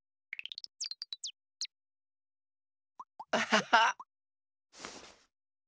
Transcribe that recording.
アハハッ。